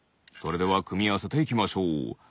それではくみあわせていきましょう。